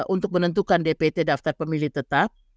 untuk menentukan dpt daftar pemilih tetap